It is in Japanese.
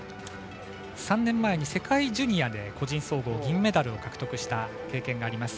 ３年前の世界ジュニアで個人総合銀メダルを獲得した経験があります。